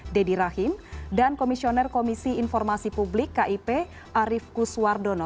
deddy rahim dan komisioner komisi informasi publik kip arief kuswardono